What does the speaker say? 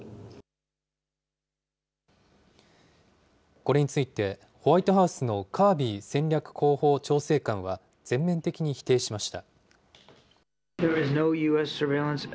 これについてホワイトハウスのカービー戦略広報調整官は、全面的に否定しました。